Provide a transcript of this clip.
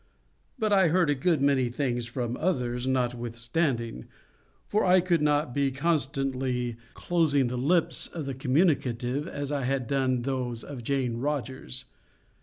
But I heard a good many things from others, notwithstanding, for I could not be constantly closing the lips of the communicative as I had done those of Jane Rogers.